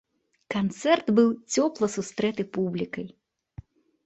Канцэрт быў цёпла сустрэты публікай.